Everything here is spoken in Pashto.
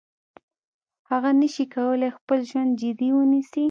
هغه نشي کولای خپل ژوند جدي ونیسي.